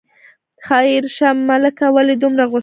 خیر شه ملکه، ولې دومره غوسه یې.